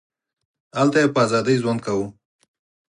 هلته یې په ازادۍ ژوند کاوه.